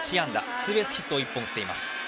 ツーベースヒットを１本打っています